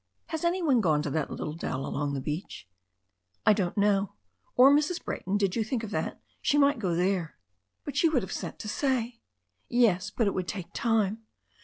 "Has any one gone to that little dell along the beach ?" "I don't know." "Or Mrs. Brayton? Did you think of that? She might Xo there?" 'But she would have sent to say." 'Yes, but it would take time.